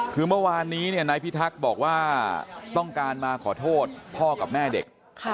คือเมื่อวานนี้นายพิทักษ์บอกว่าต้องการมาขอโทษพ่อกับแม่เด็ก